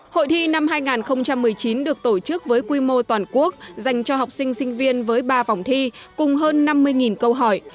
hội thi năm hai nghìn một mươi chín được tổ chức với quy mô toàn quốc dành cho học sinh sinh viên với ba vòng thi cùng hơn năm mươi câu hỏi